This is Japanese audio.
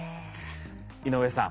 井上さん